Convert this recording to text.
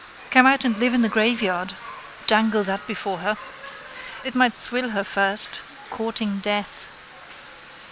Come out and live in the graveyard. Dangle that before her. It might thrill her first. Courting death.